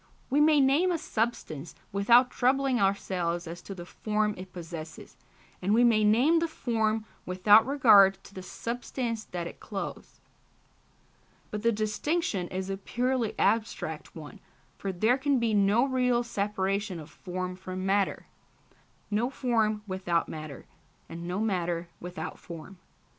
We may name a substance without troubling ourselves as to the form it possesses, and we may name the form without regard to the substance that it clothes. But this distinction is a purely abstract one, for there can be no real separation of form from matter, no form without matter, and no matter without form.